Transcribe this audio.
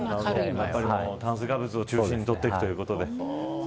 炭水化物を中心にとっていくということで。